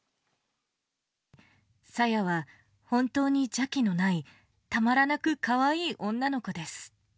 さやは本当に邪気のない、たまらなくかわいい女の子です。